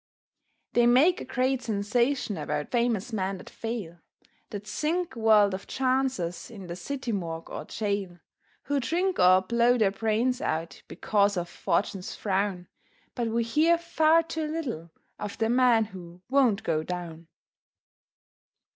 They make a great sensation About famous men that fail, That sink a world of chances In the city morgue or gaol, Who drink, or blow their brains out, Because of "Fortune's frown". But we hear far too little Of the men who won't go down.